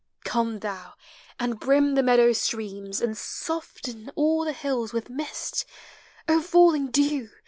Come thou, and brim the meadow streams, And soften all the hills with mist, O falling dew